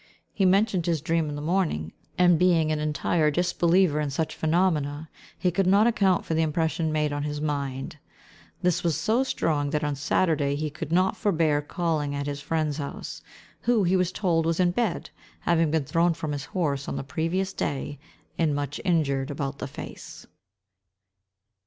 He mentioned his dream in the morning, and being an entire disbeliever in such phenomena, he could not account for the impression made on his mind. This was so strong, that on Saturday, he could not forbear calling at his friend's house; who, he was told, was in bed, having been thrown from his horse on the previous day, and much injured about the face.